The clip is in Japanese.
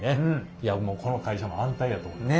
いやこの会社も安泰やと思います。